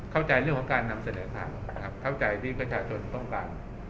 เข้าใจเรื่องของการนำเสนอข่าวนะครับเข้าใจที่ประชาชนต้องการ